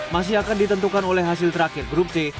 masih akan ditentukan oleh hasil terakhir grup c